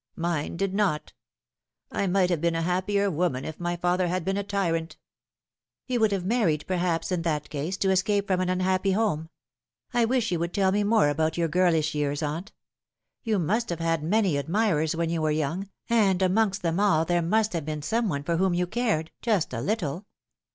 Mine did not. I might have been a happier woman if my father had been a tyrant." " You would have married, perhaps, in that case, to escape from an unhappy home. I wish you would tell me more about your girlish years, aunt. You must have had many admirers when you were young, and amongst them all there must have been some one for whom you cared just a little.